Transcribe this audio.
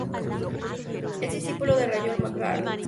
Es discípulo de Raymond Carr.